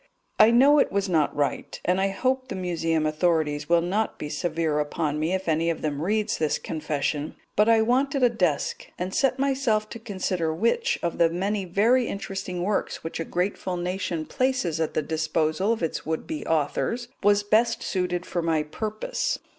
I know it was not right, and hope the Museum authorities will not be severe upon me if any of them reads this confession; but I wanted a desk, and set myself to consider which of the many very interesting works which a grateful nation places at the disposal of its would be authors was best suited for my purpose.